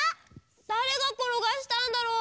だれがころがしたんだろう？